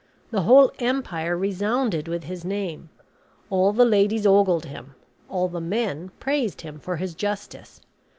The whole empire resounded with his name. All the ladies ogled him. All the men praised him for his justice.